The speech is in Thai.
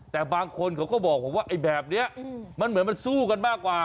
แต่บางคนเขาก็บอกผมว่าไอ้แบบนี้มันเหมือนมันสู้กันมากกว่า